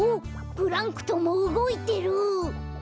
プランクトンもうごいてる！